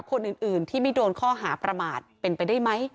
คนอื่นที่ไม่โดนข้อหาประมาทเป็นไปได้ไหม